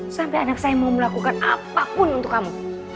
sampai anak saya mau melakukan apapun untuk kamu